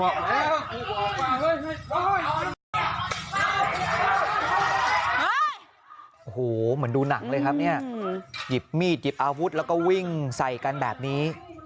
โอ้โหเหมือนดูหนังเลยครับเนี่ยหยิบมีดหยิบอาวุธแล้วก็วิ่งใส่กันแบบนี้